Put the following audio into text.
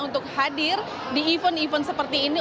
untuk hadir di event event seperti ini